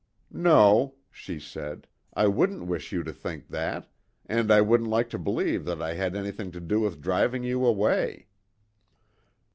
"No," she said; "I wouldn't wish you to think that and I wouldn't like to believe that I had anything to do with driving you away."